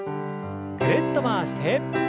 ぐるっと回して。